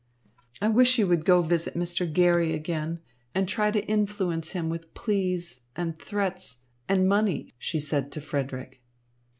"I wish you would go visit Mr. Garry again and try to influence him with pleas and threats and money," she said to Frederick.